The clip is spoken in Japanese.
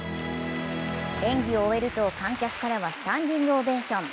演技を終えると、観客からはスタンディングオベーション。